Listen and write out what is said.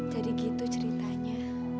jadi gitu ceritanya